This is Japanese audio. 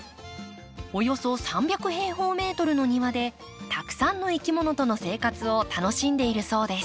およそ３００平方メートルの庭でたくさんのいきものとの生活を楽しんでいるそうです。